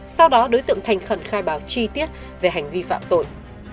sau đó đối tượng thành khẩn khai báo chi tiết về hành vi phạm tội